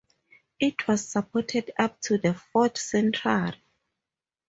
It was supported up to the fourth century.